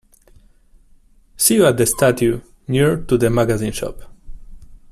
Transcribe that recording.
See you at the statue near to the magazine shop.